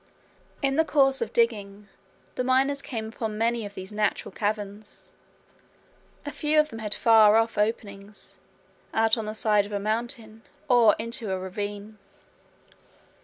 In the course of digging, the miners came upon many of these natural caverns. A few of them had far off openings out on the side of a mountain, or into a ravine.